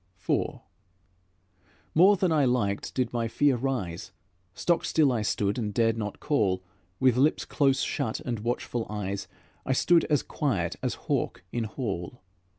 IV More than I liked did my fear rise. Stock still I stood and dared not call; With lips close shut and watchful eyes, I stood as quiet as hawk in hall.